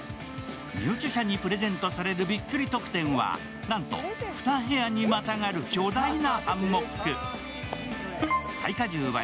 入居者にプレゼントされるびっくり特典は、なんと２部屋にまたがる巨大なハンモック。